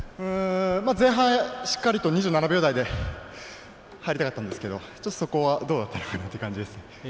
前半しっかりと２７秒台で入りたかったんですけどちょっと、そこはどうだったのかなという感じです。